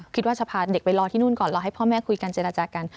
คิดว่าจะพาเด็กไปรอที่นู่นก่อนรอให้พ่อแม่คุยกันเจรจากัน